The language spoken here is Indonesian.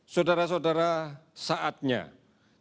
sudara sudara saatnya kita berpikir